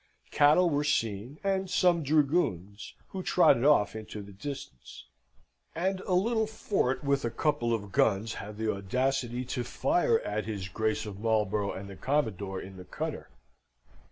Cattle were seen, and some dragoons, who trotted off into the distance; and a little fort with a couple of guns had the audacity to fire at his Grace of Marlborough and the Commodore in the cutter.